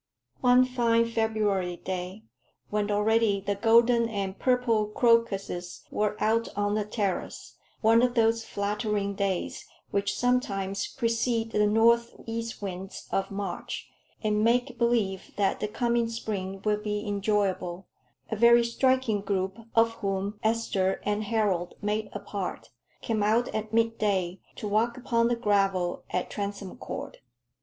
One fine February day, when already the golden and purple crocuses were out on the terrace one of those flattering days which sometimes precede the north east winds of March, and make believe that the coming spring will be enjoyable a very striking group, of whom Esther and Harold made a part, came out at midday to walk upon the gravel at Transome Court.